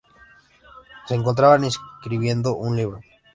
Se encontraba escribiendo un libro.